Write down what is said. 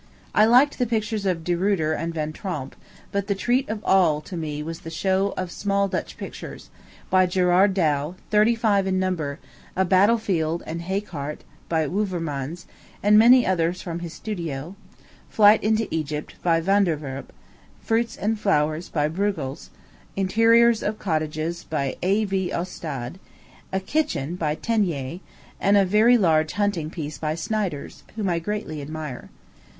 I liked the pictures of De Ruyter and Van Tromp; but the treat of all to me was the show of small Dutch pictures, by Gerard Dow, thirty five in number; a Battle Field and Hay Cart, by Wouvermans, and many others from his studio; Flight into Egypt, by Vanderwerp; Fruits and Flowers, by Breughels; Interiors of Cottages, by A.V. Ostades; a Kitchen, by Teniers; and a very large Hunting piece by Snyders, whom I greatly admire.